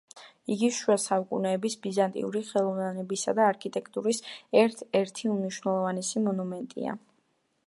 იგი შუა საუკუნეების ბიზანტიური ხელოვნებისა და არქიტექტურის ერთ-ერთი უმნიშვნელოვანესი მონუმენტია.